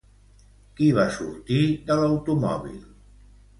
Qui va sortir de l'automòbil?